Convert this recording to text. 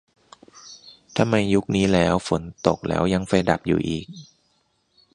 "ทำไมยุคนี้แล้ว ฝนตกแล้วยังไฟดับอยู่อีก"